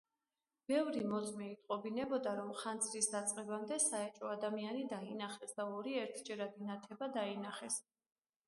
ბევრი მოწმე იტყობინებოდა, რომ ხანძრის დაწყებამდე საეჭვო ადამიანი დაინახეს და ორი ერთჯერადი ნათება დაინახეს.